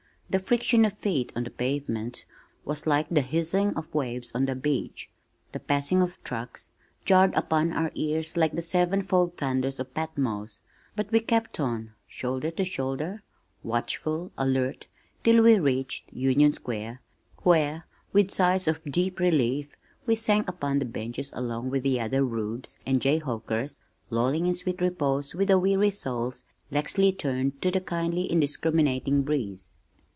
The friction of feet on the pavement was like the hissing of waves on the beach. The passing of trucks jarred upon our ears like the sevenfold thunders of Patmos, but we kept on, shoulder to shoulder, watchful, alert, till we reached Union Square, where with sighs of deep relief we sank upon the benches along with the other "rubes" and "jay hawkers" lolling in sweet repose with weary soles laxly turned to the kindly indiscriminating breeze.